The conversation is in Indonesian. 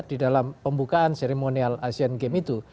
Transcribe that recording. di dalam pembukaan seremonial asean game itu